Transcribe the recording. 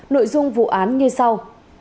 nội dung vụ án như sau